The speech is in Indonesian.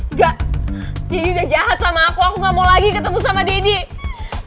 enggak jadi udah jahat sama aku aku gak mau lagi ketemu sama dini